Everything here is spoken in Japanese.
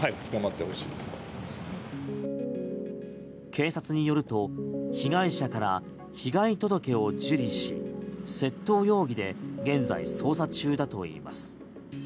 警察によると被害者から被害届を受理し窃盗容疑で現在、捜査中だといいます。